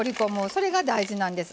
それが大事なんです。